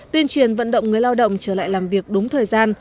tuyên truyền vận động người lao động trở lại làm việc đúng thời gian